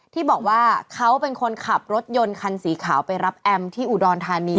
ที่บอกว่าเขาเป็นคนขับรถยนต์คันสีขาวไปรับแอมที่อุดรธานี